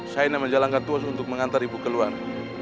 saya ingin menjalankan tuas untuk mengantar ibu keluar